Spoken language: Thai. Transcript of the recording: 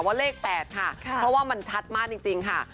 ว่าเลข๘ค่ะเพราะว่ามันชัดมากจริงค่ะ